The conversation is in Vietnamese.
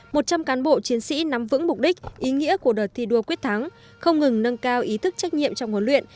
một trăm linh cán bộ chiến sĩ nắm vững mục đích ý nghĩa của đợt thi đua quyết thắng không ngừng nâng cao ý thức trách nhiệm trong huấn luyện